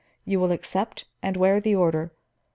You will accept, and wear the order.